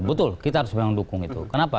betul kita harus memang mendukung itu kenapa